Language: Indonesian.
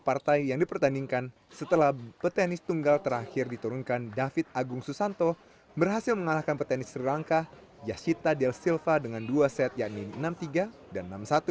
pada pertandingan sebelumnya aditya harisasonko juga berhasil mengalahkan nishanggana daraja dengan dua set yakni enam dan enam satu